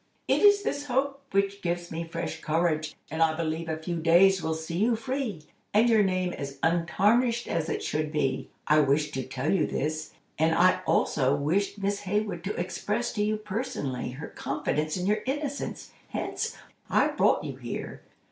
It is this hope which gives me fresh courage, and I believe a few days will see you free, and your name as untarnished as it should be. I wished to tell you this, and I also wished Miss Hayward to express to you personally, her confidence in your innocence; hence, I brought you here.